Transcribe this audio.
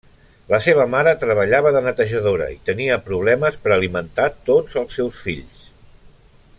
La seva mare treballava de netejadora i tenia problemes per alimentar tots els seus fills.